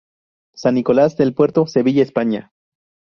San Nicolás del Puerto, Sevilla, España.